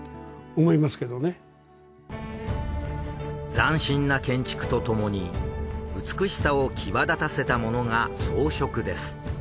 斬新な建築とともに美しさを際立たせたものが装飾です。